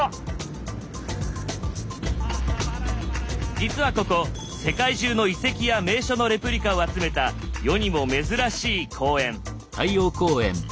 実はここ世界中の遺跡や名所のレプリカを集めた世にも珍しい公園。